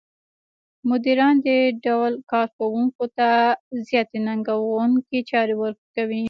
مديران دې ډول کار کوونکو ته زیاتې ننګوونکې چارې ورکوي.